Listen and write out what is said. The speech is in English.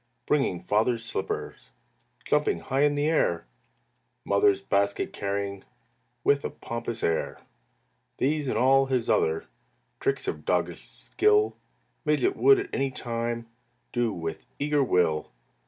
Bringing Father's slippers, Jumping high in air, Mother's basket carrying With a pompous air. These and all his other Tricks of doggish skill, Midget would at any time Do with eager will.